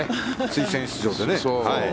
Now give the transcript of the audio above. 推薦出場でね。